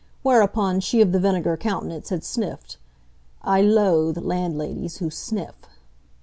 Whereupon she of the vinegar countenance had sniffed. I loathe landladies who sniff.